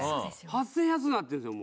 ８０００円安うなってんですよ